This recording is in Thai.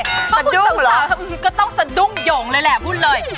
สระดุ้งเหรอก็ต้องสระดุ้งโยงเลยแหละพูดเลย